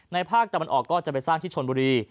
ภาคตะวันออกก็จะไปสร้างที่ชนบุรี